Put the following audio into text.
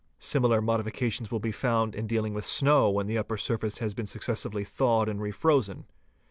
Similar modifications will be found in dealing with snow when the upper surface has been successively thawed and refrozen.